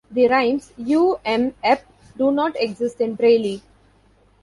The rimes "eu, em, ep" do not exist in braille.